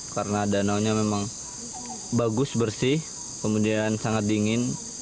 karena danaunya memang bagus bersih kemudian sangat dingin